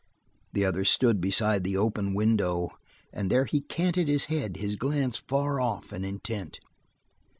The other stood beside the open window and there he canted his head, his glance far off and intent.